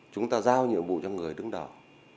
chúng ta giao nhiệm vụ cho người đứng đầu